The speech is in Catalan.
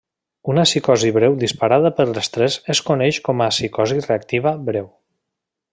Una psicosi breu disparada per l'estrès es coneix com a psicosi reactiva breu.